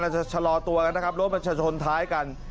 จะชะลอตัวกันนะครับรถมันจะชนท้ายกัน